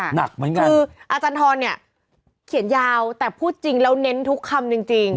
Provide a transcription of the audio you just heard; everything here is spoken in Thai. หนักเหมือนกันคืออาจารย์ทรเนี่ยเขียนยาวแต่พูดจริงแล้วเน้นทุกคำจริง